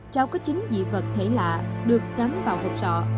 cháu có chín dị vật thể lạ được cắm vào hộp sọ